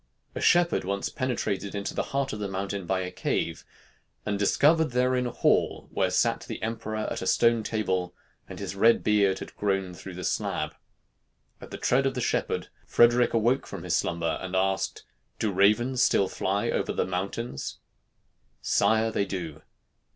A shepherd once penetrated into the heart of the mountain by a cave, and discovered therein a hall where sat the emperor at a stone table, and his red beard had grown through the slab. At the tread of the shepherd Frederic awoke from his slumber, and asked, "Do the ravens still fly over the mountains?" "Sire, they do."